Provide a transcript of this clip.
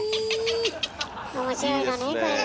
面白いのねこれが。